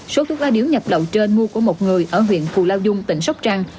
số thuốc lá điếu nhập lậu trên mua của một người ở huyện cù lao dung tỉnh sóc trăng